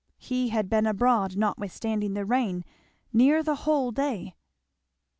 He had been abroad notwithstanding the rain near the whole day.